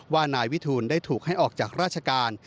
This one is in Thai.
ว่านายวิทูลได้ถูกให้ออกจากราชการ